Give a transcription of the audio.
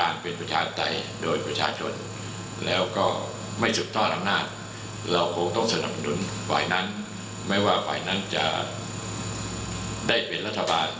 ไม่สนับสนุนฝ่ายนั้นไม่ว่าฝ่ายนั้นจะได้เป็นรัฐบาล